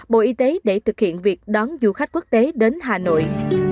bộ y tế để thực hiện việc đón du khách quốc tế đến hà nội